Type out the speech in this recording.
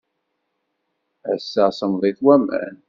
Ass-a, semmḍit waman.